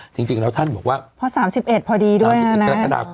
จริงแล้วท่านบอกว่าเพราะ๓๑พอดีด้วยนะนะ